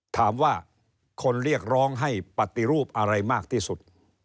ถามว่าคนเรียกร้องให้ปฏิรูปอะไรมากที่สุด